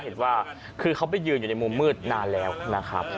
เห็นว่าคือเขาไปยืนอยู่ในมุมมืดนานแล้วนะครับ